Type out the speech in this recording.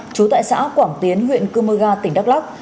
chú tại xã quảng tiến huyện cư mơ ga tỉnh đắk lắk